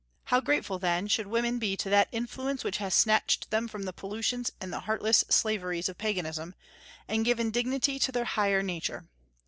How grateful, then, should women be to that influence which has snatched them from the pollutions and heartless slaveries of Paganism, and given dignity to their higher nature!